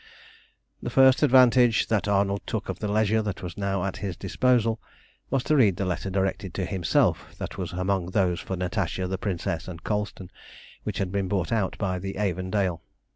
The first advantage that Arnold took of the leisure that was now at his disposal, was to read the letter directed to himself that was among those for Natasha, the Princess, and Colston, which had been brought out by the Avondale.